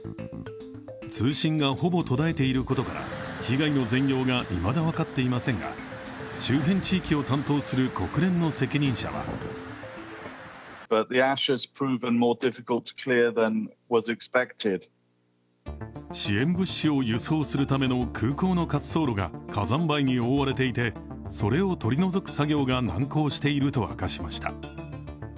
通信がほぼ途絶えていることから被害の全容がいまだ分かっていませんが周辺地域を担当する国連の責任者は支援物資を輸送するための空港の滑走路が火山灰に覆われていてそれを取り除く作業が難航していると明かしました。